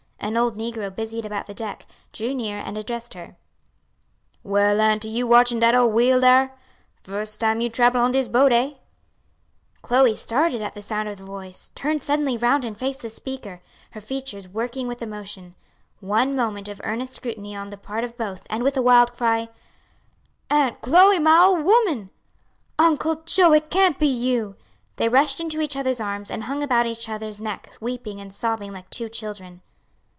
An old negro busied about the deck; drew near and addressed her: "Well, auntie, you watchin' dat ole wheel dar? Fust time you trable on dis boat, eh?" Chloe started at the sound of the voice, turned suddenly round and faced the speaker, her features working with emotion: one moment of earnest scrutiny on the part of both, and with a wild cry, "Aunt Chloe! my ole woman," "Uncle Joe! it can't be you," they rushed into each other's arms, and hung about each other's neck, weeping and sobbing like two children.